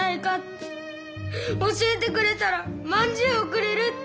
教えてくれたらまんじゅうをくれるって。